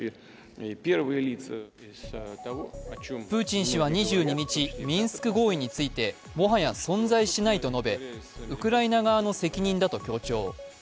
プーチン氏は２２日、ミンスク合意について、もはや存在しないと述べ、ウクライナ側の責任だと強調。